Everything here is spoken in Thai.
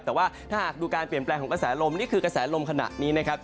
แต่ว่าถ้าหากดูการเปลี่ยนแปลงของกระแสลมนี่คือกระแสลมขณะนี้นะครับ